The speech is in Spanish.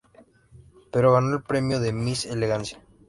Pero ganó el premio de "Miss Elegancia".